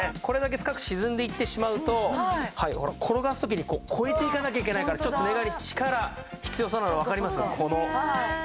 これだけ深く沈んでいってしまうと転がす時に越えていかなきゃいけないからちょっと寝返り力必要そうなのわかります？